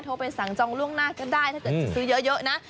ไปสั่งจองล่วงหน้าก็ได้ถ้าเกิดจะซื้อเยอะนะ